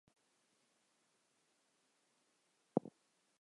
Ambaye alikuwa mganga wa kienyeji ili akamuue